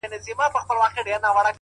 د پریان لوري ـ د هرات او ګندارا لوري ـ